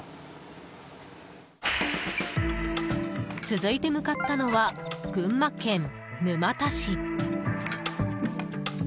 続いて向かったのは群馬県沼田市。